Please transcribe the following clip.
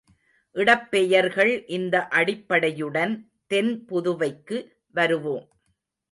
இடப்பெயர்கள் இந்த அடிப்படையுடன் தென் புதுவைக்கு வருவோம்.